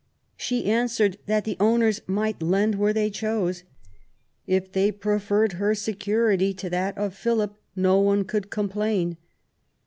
She answered that the owners might lend where they chose; if they preferred her security to that of Philip, no one could complain.